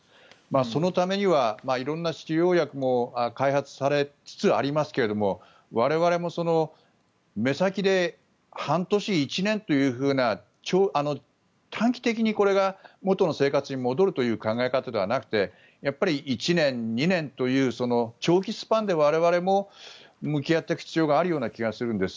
そのためには、色んな治療薬も開発されつつありますが我々も目先で半年、１年というふうな短期的にこれが、元の生活に戻るという考え方ではなくてやっぱり１年、２年という長期スパンで我々も向き合っていく必要がある気がするんです。